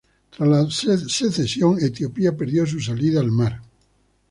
Tras la secesión, Etiopía perdió su salida al mar.